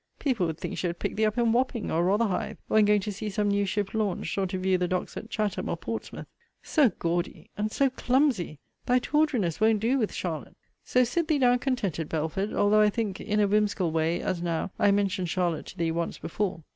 People would think she had picked thee up in Wapping, or Rotherhithe; or in going to see some new ship launched, or to view the docks at Chatham, or Portsmouth. So gaudy and so clumsy! Thy tawdriness won't do with Charlotte! So sit thee down contented, Belford: although I think, in a whimsical way, as now, I mentioned Charlotte to thee once before.